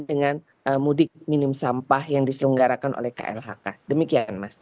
dengan mudik minim sampah yang diselenggarakan oleh klhk demikian mas